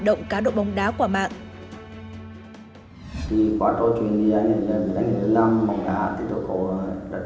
động cá độ bóng đá quả mạng thì quá cho chuyên giai đoạn đánh được năm bóng đá thì tôi có đặt